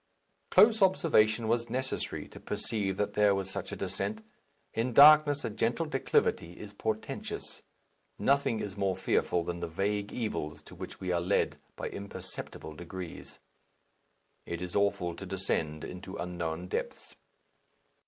Close observation was necessary to perceive that there was such a descent. In darkness a gentle declivity is portentous. Nothing is more fearful than the vague evils to which we are led by imperceptible degrees. It is awful to descend into unknown depths.